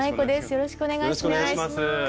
よろしくお願いします。